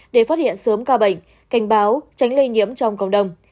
để phát hiện sớm ca bệnh cảnh báo tránh lây nhiễm trong cộng đồng